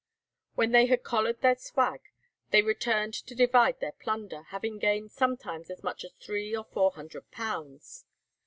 When they had "collared their swag," they returned to divide their plunder, having gained sometimes as much as three or four hundred pounds.